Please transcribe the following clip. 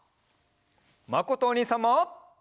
まことおにいさんも！